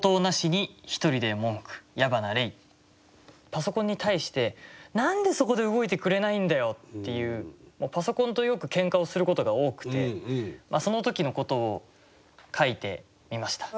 パソコンに対して「何でそこで動いてくれないんだよ！」っていうパソコンとよくケンカをすることが多くてその時のことを書いてみました。